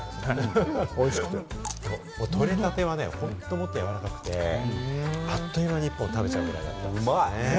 採れたてはね、本当にもっと柔らかくて、あっという間に１本食べちゃうくらいだったんですよね。